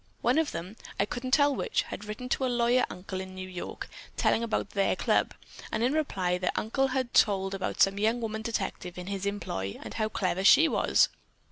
One of them, I couldn't tell which, had written to a lawyer uncle in New York, telling about their club, and in reply their uncle had told about some young woman detective in his employ and how clever she was.